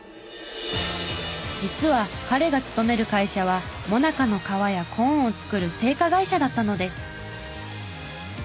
実は彼が勤める会社はもなかの皮やコーンを作る製菓会社だったのです。